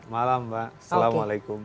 malam mbak assalamualaikum